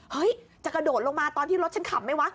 เฮ้ยจะกระโดดลงมาตอนที่รถฉันขับไหมวะ